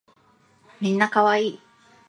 みんな可愛い